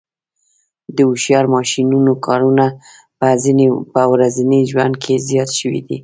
د هوښیار ماشینونو کارونه په ورځني ژوند کې زیات شوي دي.